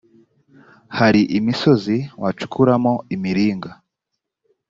hari imisozi wacukuramo imiringa